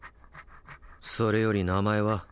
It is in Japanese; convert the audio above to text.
それより名前は？